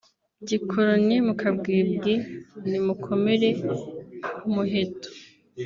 gikoloni mu kabwibwi nimukomere ku muheto